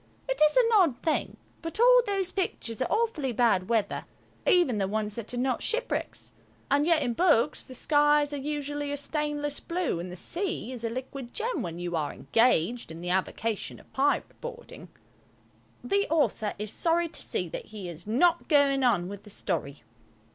It is an odd thing, but all those pictures are awfully bad weather–even the ones that are not shipwrecks. And yet in books the skies are usually a stainless blue and the sea is a liquid gem when you are engaged in the avocation of pirate boarding. The author is sorry to see that he is not going on with the story.